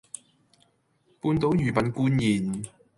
半島御品官燕